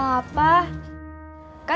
kan udah diantarin sama kang amin